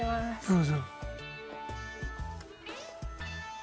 どうぞ。